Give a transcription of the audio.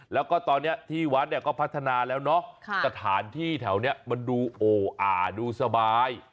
แล้วก็ตอนนี้ที่วัดเนี่ยก็พัฒนาแล้วเนาะสถานที่แถวนี้มันดูโออ่าดูสบาย